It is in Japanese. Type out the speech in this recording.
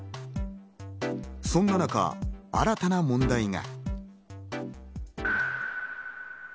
そんな中、新たな問題が。